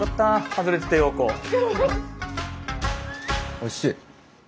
おいしい。